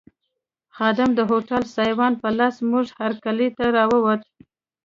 خادم د هوټل سایوان په لاس زموږ هرکلي ته راووت.